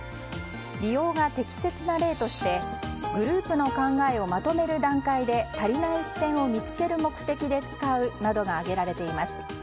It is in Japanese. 利用が適切な例としてグループの考えをまとめる段階で足りない視点を見つける目的で使うなどが挙げられています。